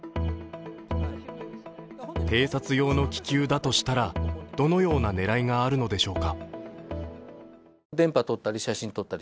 偵察用の気球だとしたらどのような狙いがあるのでしょうか。